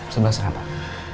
sebelah sana pak